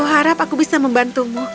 harap aku bisa membantumu